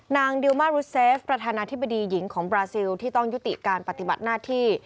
ดิวมารุเซฟประธานาธิบดีหญิงของบราซิลที่ต้องยุติการปฏิบัติหน้าที่